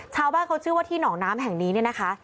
ชาวบ้านเขาเชื่อว่าที่หนองน้ำแห่งนี้เนี่ยนะคะ